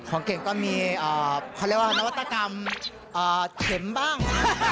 เก่งก็มีเขาเรียกว่านวัตกรรมเข็มบ้าง